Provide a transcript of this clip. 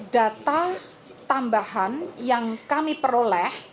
data tambahan yang kami peroleh